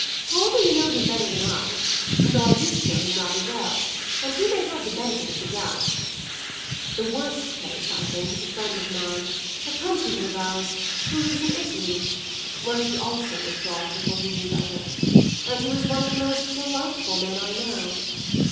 However, you know him better than I, though I used to know him rather well, and he may have the benefit of the doubt. The worst case, I think, is a friend of mine, a countryman of ours, who lives in Italy (where he also was brought before he knew better), and who is one of the most delightful men I know.